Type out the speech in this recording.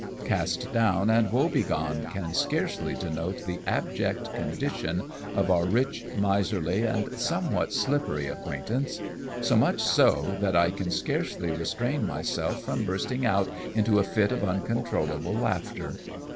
Cast down and woe begone, can scarcely denote the abject condition of our rich, miserly, and somewhat slippery acquaintance ; so much so, that I can scarcely restrain myself from bursting out into a fit of un controllable laughter.